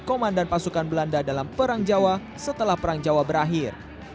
komandan pasukan belanda dalam perang jawa setelah perang jawa berakhir